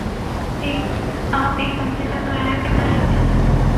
آپ ایک کمرے کا کرایہ کتنا لیتے ہیں؟